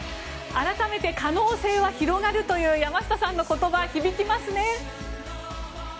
改めて可能性は広がるという山下さんの言葉響きますね。